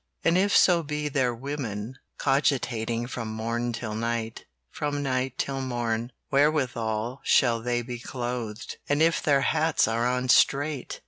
And if so be they're women, Cogitating from morn till night, From night till morn, Wherewithal shall they be clothed, And if their hats are on straight!